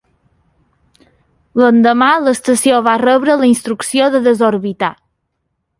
L'endemà, l'estació va rebre la instrucció de desorbitar.